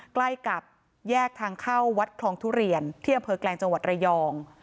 ใกล้กับแยกทางเข้าวัดคลองทุเรียนที่อำเภอแกลงจังหวัดระยอง